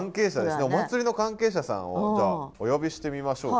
お祭りの関係者さんをじゃあお呼びしてみましょうか。